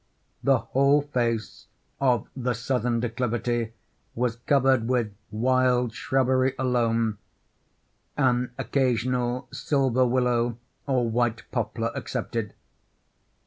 The whole face of the southern declivity was covered with wild shrubbery alone—an occasional silver willow or white poplar excepted.